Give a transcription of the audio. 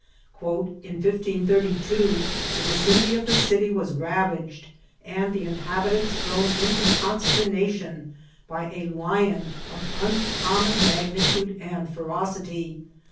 ^< In 1532 the vicinity of the city was ravaged, and the inhabitants thrown into conster nation by a lion of uncommon magnitude and ferocity